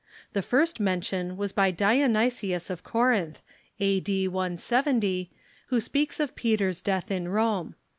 The first mention Avas by Dionysius of Corinth, a.d. 170, Avho speaks of Peter's death in Rome.